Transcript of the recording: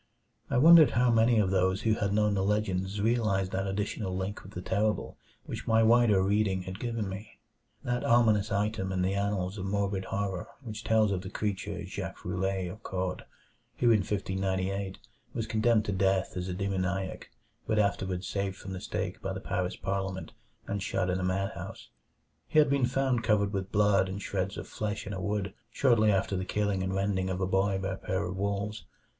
I wondered how many of those who had known the legends realized that additional link with the terrible which my wider reading had given me; that ominous item in the annals of morbid horror which tells of the creature Jacques Roulet, of Caude, who in 1598 was condemned to death as a demoniac but afterward saved from the stake by the Paris parliament and shut in a madhouse. He had been found covered with blood and shreds of flesh in a wood, shortly after the killing and rending of a boy by a pair of wolves.